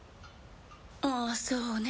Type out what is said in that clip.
ああそうね